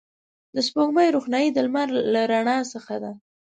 د سپوږمۍ روښنایي د لمر له رڼا څخه ده